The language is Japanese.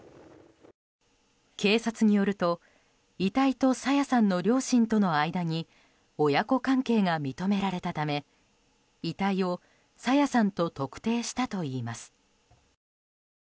警察によると遺体と朝芽さんの両親との間に親子関係が認められたため遺体を朝芽さんと特定したといいます。